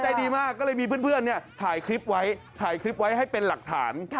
ใจดีมากก็เลยมีเพื่อนถ่ายคลิปไว้ถ่ายคลิปไว้ให้เป็นหลักฐาน